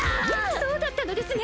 そうだったのですね！